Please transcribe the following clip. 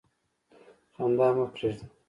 خندا مه پرېږده.